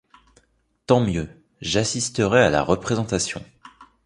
Tant mieux : j'assisterai à la représentation.